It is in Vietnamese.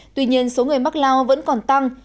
tuy nhiên số người mắc lao vẫn còn tăng